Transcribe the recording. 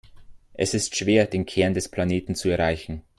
Es ist schwer, den Kern des Planeten zu erreichen.